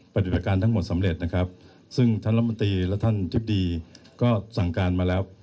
ปฏิบัติการทั้งหมดสำเร็จนะครับซึ่งท่านรัฐมนตรีและท่านทิบดีก็สั่งการมาแล้ว